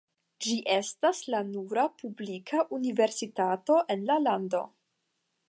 Ĝi estas la nura publika universitato en la lando.